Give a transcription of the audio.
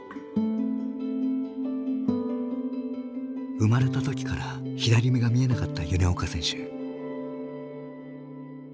生まれた時から左目が見えなかった米岡選手。